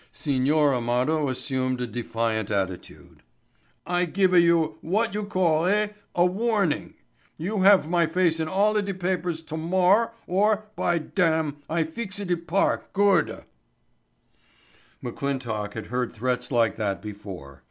Signor Amado assumed a defiant attitude. "I giva you—what you call, eh?—a warning. You have my face in alla de papers tomor' or, by dam, I feexa de park gooda." McClintock had heard threats like that before.